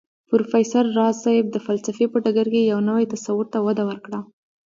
پروفېسر راز صيب د فلسفې په ډګر کې يو نوي تصور ته وده ورکړه